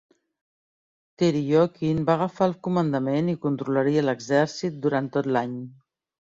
Teryokhin va agafar el comandament i controlaria l'Exèrcit durant tot l'any.